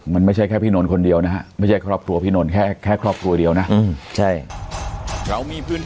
มันไม่ใช่แค่พี่นนท์คนเดียวนะว่าพี่นนท์แค่ครอบครัวเดียวนะ